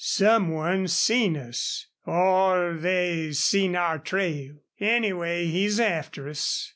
Some one seen us. Or they seen our trail. Anyway, he's after us.